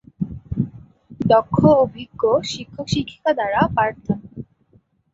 দক্ষ, অভিজ্ঞ, শিক্ষক, শিক্ষিকা দ্বারা পাঠদান।